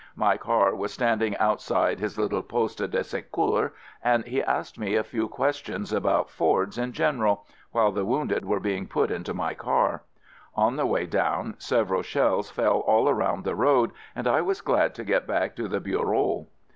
My car was standing outside his little poste de se cour, and he asked me a few questions about Fords in general, while the wounded were being put into my car. On the way down, several shells fell all around the road and I was glad to get back to the Bureau.